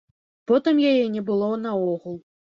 Потым яе не было наогул.